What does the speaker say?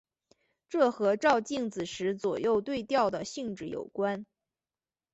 这和照镜子时左右对调的性质有关。